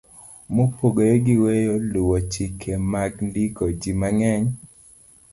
Mopogore gi weyo luwo chike mag ndiko, ji mang'eny